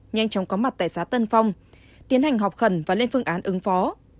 nhanh chóng có mặt tại xã tân phong tiến hành họp khẩn và lên phương án ứng phó